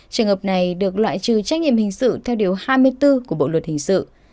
trường hợp này được loại trừ trách nhiệm hình sự theo điều hai mươi bốn của bộ luật hình sự